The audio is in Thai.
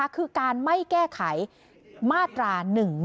คือการไม่แก้ไขมาตรา๑๑๒